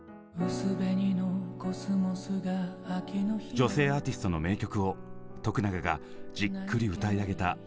女性アーティストの名曲を永がじっくり歌い上げた「ＶＯＣＡＬＩＳＴ」。